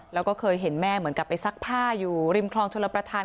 แล้วก็เคยเห็นแม่เหมือนกับไปซักผ้าอยู่ริมคลองชลประธาน